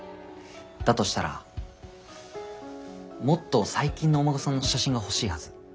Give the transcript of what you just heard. だとしたらもっと最近のお孫さんの写真が欲しいはず。